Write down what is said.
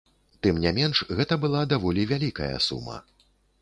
Тым не менш, гэта была даволі вялікая сума.